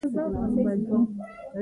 پکورې د زمري د ګرمۍ خوند کموي